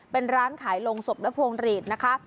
เป็นร้านขายโรงศพและพวงหลีดนะคะ